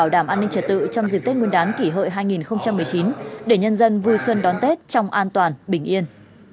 để nhân dân vui xuân đón tết trong an toàn bình yên